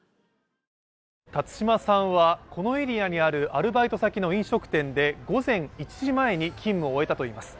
辰島さんはこのエリアにあるアルバイト先の飲食店で午前１時前に勤務を終えたといいます。